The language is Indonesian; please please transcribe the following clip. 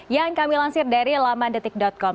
yang kami lansir dari lamandetik com